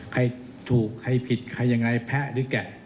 ใครถูกใครผิดใครยังไงแพ้หรือแก่